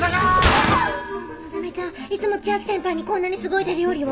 ぎゃぼっ！のだめちゃんいつも千秋先輩にこんなにすごい手料理を？